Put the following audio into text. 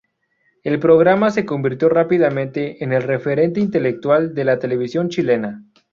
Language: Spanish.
El programa se convirtió rápidamente en el referente intelectual de la televisión chilena.